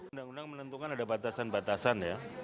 undang undang menentukan ada batasan batasan ya